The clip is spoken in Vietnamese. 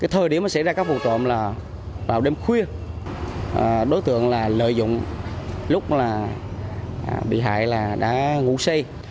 thời điểm xảy ra các vụ trộm là vào đêm khuya đối tượng lợi dụng lúc bị hại là đã ngủ xây